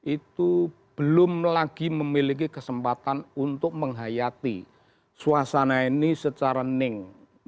itu belum lagi memiliki kesempatan untuk menghayati suasana ini secara ning